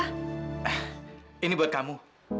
eh ini buat kamu